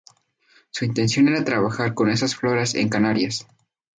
Su intención era trabajar con esas floras en Canarias.